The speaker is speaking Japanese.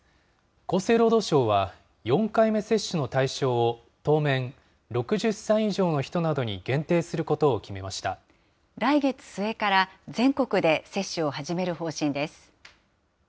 厚生労働省は、４回目接種の対象を当面、６０歳以上の人などに限定することを決来月末から、全国で接種を始める方針です。